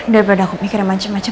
daripada aku mikirin macem macem